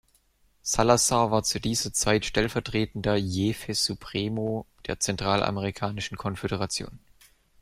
Salazar war zu dieser Zeit stellvertretender "Jefe Supremo" der Zentralamerikanischen Konföderation.